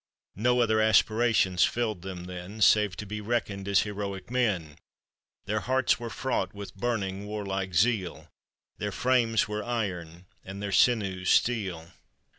No other aspirations filled them then, Save to be reckoned as heroic men ; Their hearts were fraught with burning war like zeal, Their frames were iron and their shews steel.